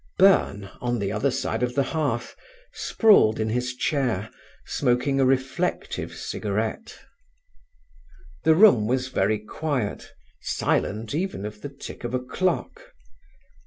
Byrne, on the other side of the hearth, sprawled in his chair, smoking a reflective cigarette. The room was very quiet, silent even of the tick of a clock.